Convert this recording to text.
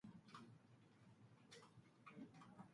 法国舰队开始忙乱地预备迎击英国舰队。